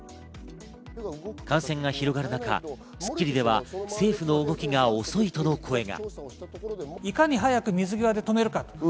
感染が広がる中、『スッキリ』では政府の動きが遅いとの声が。